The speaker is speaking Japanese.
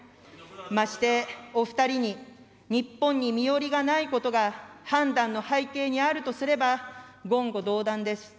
ましてお２人に、日本に身寄りがないことが判断の背景にあるとすれば、言語道断です。